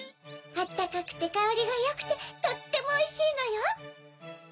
あったかくてかおりがよくてとってもおいしいのよ！